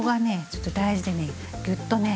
ちょっと大事でねグッとね